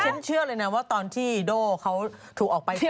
ฉันเชื่อเลยนะว่าตอนที่โด่เขาถูกออกไป